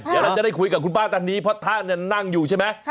เดี๋ยวเราจะได้คุยกับคุณป้าท่านนี้เพราะท่านนั่งอยู่ใช่ไหม